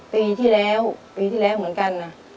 ปีที่แล้วปีที่แล้วเหมือนกัน